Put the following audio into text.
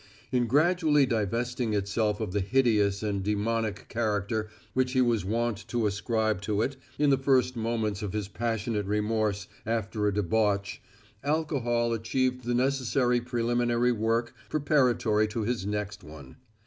In gradually divesting itself of the hideous and demonic character which he was wont to ascribe to it in the first moments of his passionate remorse after a debauch, alcohol achieved the necessary preliminary work preparatory to his next one.